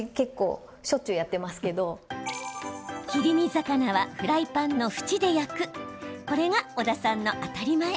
切り身魚はフライパンの縁で焼くこれが小田さんの当たり前。